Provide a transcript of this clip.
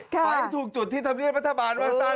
ไปถูกจุดที่ทำเลียนพัฒนาบาลมาตั้ง